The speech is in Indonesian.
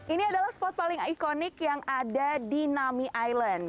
ini adalah spot paling ikonik yang ada di nami island